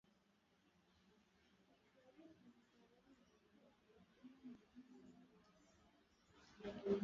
Kutembea kwa magoti au kuchuchumaa au kutembelea magoti